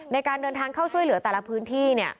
ในการเดินทางเข้าช่วยเหลือแต่ละพื้นที่